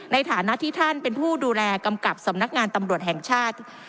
ในฐานะที่ท่านเป็นผู้ดูแลกำกับสำนักงานตำรวจแห่งชาติ